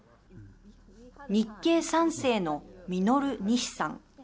日系３世のミノル・ニシさん。